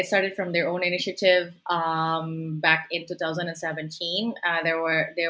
mulai dari inisiatif mereka sendiri